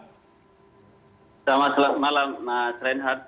selamat malam mbak trinhat